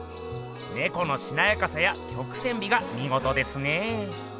ネコのしなやかさや曲線美がみごとですね。